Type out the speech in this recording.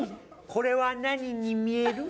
これは何に見える？